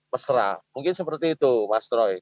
pesra mungkin seperti itu mas troy